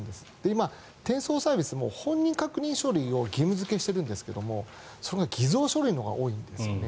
今、転送サービスも本人確認書類を義務付けしているんですが偽造書類のほうが多いんですよね。